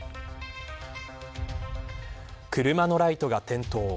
車のライトが点灯。